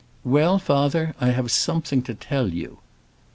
"Well, father, I have something to tell you."